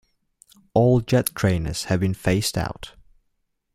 All jet trainers have been phased out.